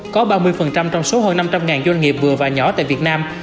có ba mươi trong số hơn năm trăm linh doanh nghiệp vừa và nhỏ tại việt nam